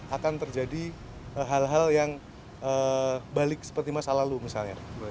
akan terjadi hal hal yang balik seperti masa lalu misalnya